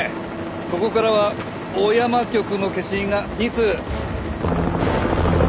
ここからは小山局の消印が２通。